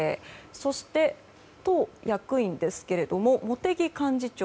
そして党役員ですが茂木幹事長、